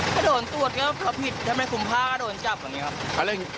ถ้าโดนตรวจก็เขาเหล่าผิดทำไมขุมผ้าก็โดนจับตรงนี้ครับ